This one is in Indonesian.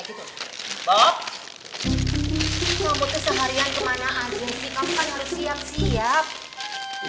kamu kan harus siap siap